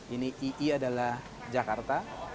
ini ii adalah jakarta